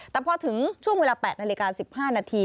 แต่พอถึงช่วงเวลา๘นาฬิกา๑๕นาที